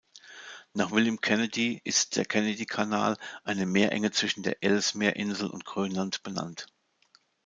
Nach William Kennedy ist der Kennedy-Kanal, eine Meerenge zwischen der Ellesmere-Insel und Grönland, benannt.